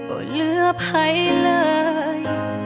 โอ้เหลือใครเลย